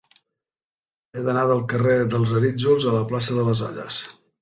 He d'anar del carrer dels Arítjols a la plaça de les Olles.